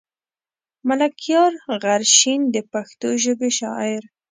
ملکيار غرشين د پښتو ژبې شاعر.